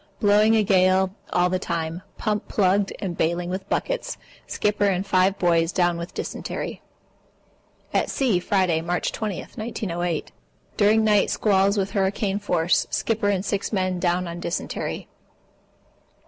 Blowing a gale all the time. Pump plugged up and bailing with buckets. Skipper and five boys down on dysentery. At sea, Friday, March 20, 1908. During night squalls with hurricane force. Skipper and six men down on dysentery.